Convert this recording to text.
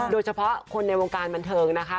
โดยเฉพาะคนในวงการบันเทิงนะคะ